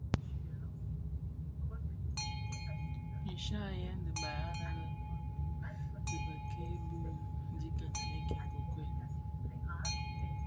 Nshyayèn dhibaï ane lè Noun dhi bikei bi ndikinimiki bi nkokuel.